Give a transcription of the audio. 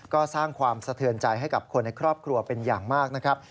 ก็สร้างความสะเทือนใจให้กับคนในครอบครัวเป็นอย่างมากนะครับ